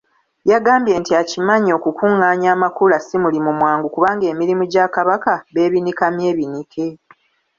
Yagambye nti akimanyi okukunganya Amakula simulimu mwangu kubanga emirimu gya Kabaka beebinika myebinike.